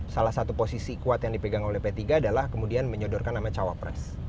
salah satu posisi kuat yang dipegang oleh p tiga adalah kemudian menyodorkan nama cawapres